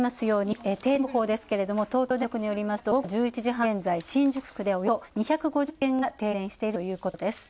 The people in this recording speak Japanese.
東京電力によりますと午後１１時半現在、新宿区でおよそ２５０軒が停電しているということです。